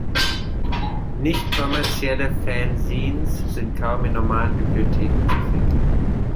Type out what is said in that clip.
Nichtkommerzielle Fanzines sind kaum in normalen Bibliotheken zu finden.